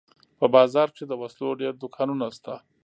په بازار کښې د وسلو ډېر دوکانونه سته.